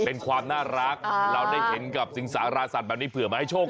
เป็นความน่ารักเราได้เห็นกับสิงสาราสัตว์แบบนี้เผื่อมาให้โชค